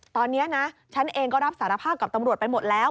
ตอนนี้นะฉันเองก็รับสารภาพกับตำรวจไปหมดแล้ว